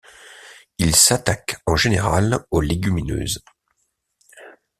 Ils s'attaquent en général aux légumineuses.